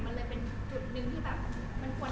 มันเลยเป็นจุดหนึ่งที่แบบมันควรได้สีปกครองร่วมอ่ะ